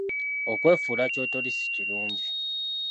Okwefuula kyotoli si kirungi.